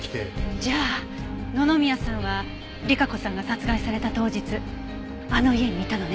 じゃあ野々宮さんは莉華子さんが殺害された当日あの家にいたのね。